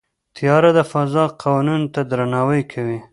طیاره د فضا قوانینو ته درناوی کوي.